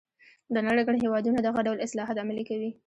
د نړۍ ګڼ هېوادونه دغه ډول اصلاحات عملي کوي.